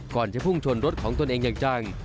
จะพุ่งชนรถของตนเองอย่างจัง